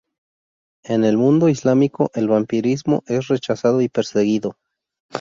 En el mundo islámico el vampirismo es rechazado y perseguido.